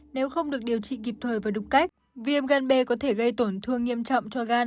nếu không được điều trị kịp thời và đúng cách viêm gan b có thể gây tổn thương nghiêm trọng cho gan